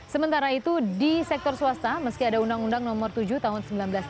sementara itu di sektor swasta meski ada undang undang nomor tujuh tahun seribu sembilan ratus sembilan puluh